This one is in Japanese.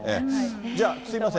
じゃあ、すみません。